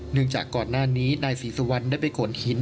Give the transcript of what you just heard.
จากก่อนหน้านี้นายศรีสุวรรณได้ไปขนหิน